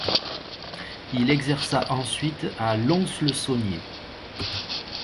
Il exerça ensuite à Lons-le-Saunier.